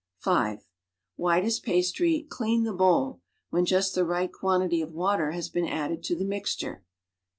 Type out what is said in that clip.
(5) Why does pastry "clean the bo\\r" \\hcii just the right fiuaijlit_>' of water has been added to the mixture? Ans.